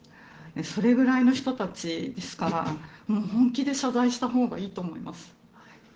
それぐらいの人たちですから本気で謝罪したほうがいいと思います。